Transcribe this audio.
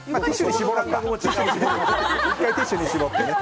１回ティッシュに絞ってね。